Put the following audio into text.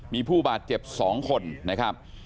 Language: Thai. มีผู้บาดเจ็บ๒คนนะครับ